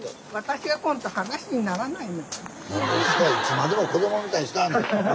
いつまでも子供みたいにしなはんな。